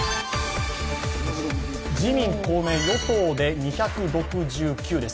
自民・公明・与党で２６９です。